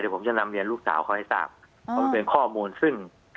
เดี๋ยวผมจะนำเรียนลูกสาวเขาให้ทราบเอาเป็นข้อมูลซึ่ง